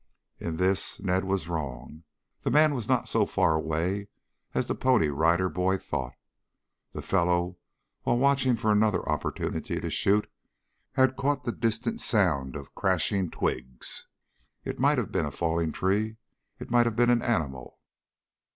In this Ned was wrong. The "man" was not so far away as the Pony Rider Boy thought. The fellow, while watching for another opportunity to shoot, had caught the distant sound of crashing twigs. It might have been a falling tree, it might have been an animal.